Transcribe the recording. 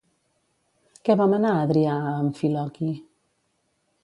Què va manar Adrià a Amfiloqui?